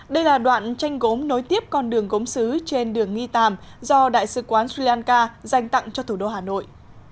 đây là đoạn tranh gốm nối tiếp con đường gốm xứ trên đường nghi tàm do đại sứ quán sri lanka dành tặng cho thủ đô hà nội